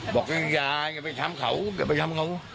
บอกยายอย่าไปทำเขาอย่าไปทำเขา